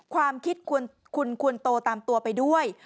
ความคิดคุณควรโตตามตัวไปด้วย